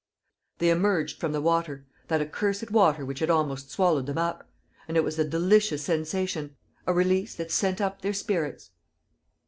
They emerged from the water, that accursed water which had almost swallowed them up; and it was a delicious sensation, a release that sent up their spirits.